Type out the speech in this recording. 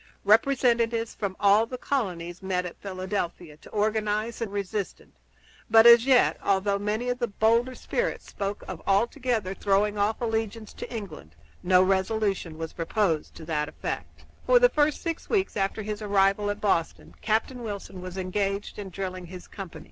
Representatives from all the colonies met at Philadelphia to organize the national resistance; but as yet, although many of the bolder spirits spoke of altogether throwing off allegiance to England, no resolution was proposed to that effect. For the first six weeks after his arrival at Boston, Captain Wilson was engaged in drilling his company.